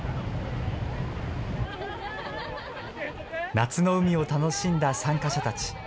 夏の海を楽しんだ参加者たち。